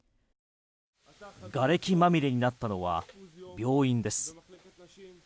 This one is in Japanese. がれきまみれになったのは病院です。